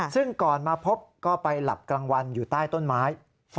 ซึ่งก่อนมาพบก็ไปหลับกลางวันอยู่ใต้ต้นไม้